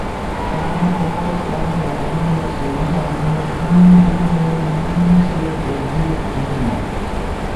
کامن وائس کامک ہنُو لہ سہی ہنُو دُو جنے لیسے تصدیق تھینا۔